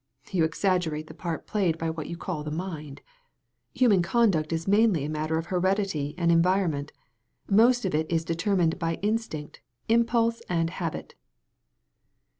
"You exaggerate the part played by what you call the mind. Human conduct is mainly a matter of heredity and environment. Most of it is de termined by instinct, impulse, and habit."